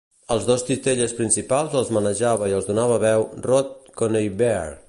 Als dos titelles principals els manejava i els donava veu Rod Coneybeare.